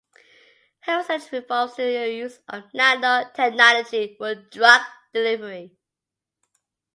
Her research involves the use of nanotechnology for drug delivery.